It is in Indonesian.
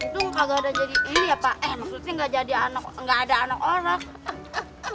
tuh kagak ada jadi ini ya pak eh maksudnya gak jadi anak gak ada anak orang